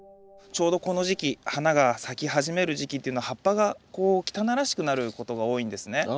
ちょうどこの時期花が咲き始める時期っていうのは葉っぱがこう汚らしくなることが多いんですね。